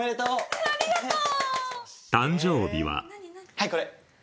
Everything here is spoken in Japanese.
はいこれ。